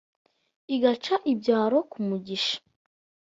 Igaca ibyaro ku migisha .